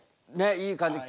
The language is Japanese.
いい感じに。